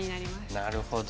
なるほど。